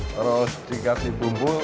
terus dikasih bumbu